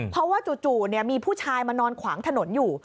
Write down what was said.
เพราะว่าจู่มีผู้ชายมานอนขวางถนนอยู่